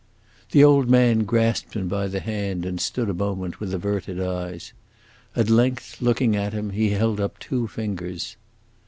The old man grasped him by the hand and stood a moment with averted eyes. At last, looking at him, he held up two fingers.